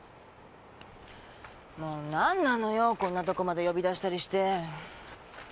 もう何なのよこんなとこまで呼び出したりして。